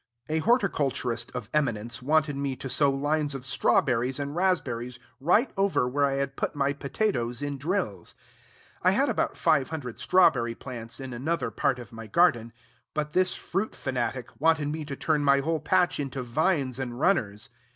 A horticulturist of eminence wanted me to sow lines of straw berries and raspberries right over where I had put my potatoes in drills. I had about five hundred strawberry plants in another part of my garden; but this fruit fanatic wanted me to turn my whole patch into vines and runners.